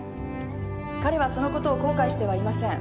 彼はそのことを後悔してはいません。